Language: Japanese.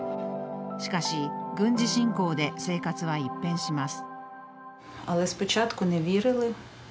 しかし、軍事侵攻で生活は一変します。